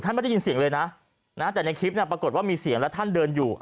ไม่ได้ยินเสียงเลยนะแต่ในคลิปเนี่ยปรากฏว่ามีเสียงและท่านเดินอยู่